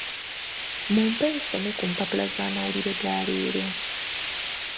Mumpe nsome ku mpapula z'amawulire ga leero.